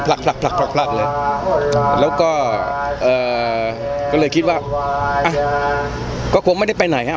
ผลักเลยแล้วก็เอ่อก็เลยคิดว่าอ่ะก็คงไม่ได้ไปไหนฮะ